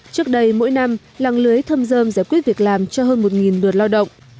trước đây mỗi năm làng lưới thâm dơm giải quyết việc làm cho hơn một lượt lao động